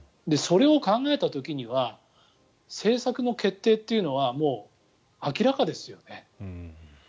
それを考えた時には政策の決定というのはもう明らかですよね。